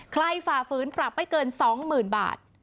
ใครฝ่าฝืนกลับไม่เกินสองหมื่นบาท